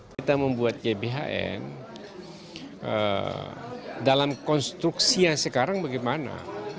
kita membuat gbhn dalam konstruksi yang sekarang bagaimana